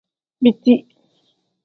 Biti.